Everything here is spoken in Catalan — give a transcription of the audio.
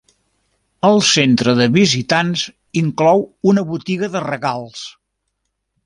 El centre de visitants inclou una botiga de regals.